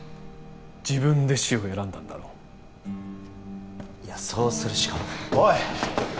自分で死を選んだんだろいやそうするしかおい！